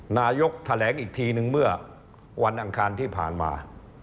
นายกแถลงอีกทีนึงเมื่อวันอังคารที่ผ่านมา